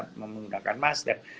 orang yang menggunakan masker